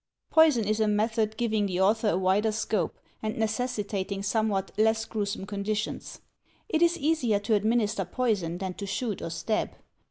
Poison is a method giving the author a wider scope and necessitating somewhat less gruesome conditions. It is easier to administer poison than to shoot or stab.